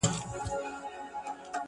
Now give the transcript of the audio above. هوښیار انسان د احساساتو غلام نه وي،